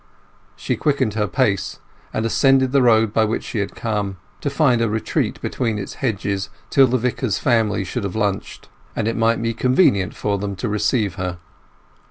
She quickened her pace, and ascended the road by which she had come, to find a retreat between its hedges till the Vicar's family should have lunched, and it might be convenient for them to receive her.